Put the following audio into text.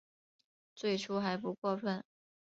最初还不过分